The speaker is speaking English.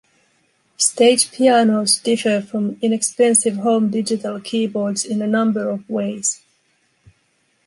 Stage pianos differ from inexpensive home digital keyboards in a number of ways.